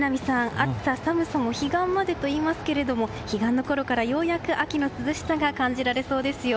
暑さ寒さも彼岸までといいますが彼岸のころからようやく秋の涼しさが感じられそうです。